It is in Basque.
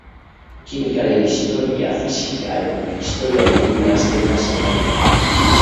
Kimikaren historia fisikaren historiarekin nahasten da zenbaitetan.